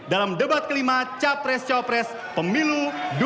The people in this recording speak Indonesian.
dalam debat kelima capres capres pemilu dua ribu sembilan belas